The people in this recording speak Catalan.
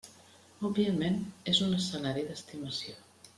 Òbviament és un escenari d'estimació.